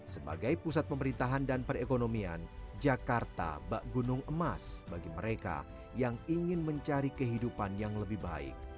sebagai pusat pemerintahan dan perekonomian jakarta bak gunung emas bagi mereka yang ingin mencari kehidupan yang lebih baik